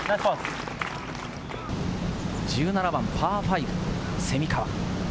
１７番パー５、蝉川。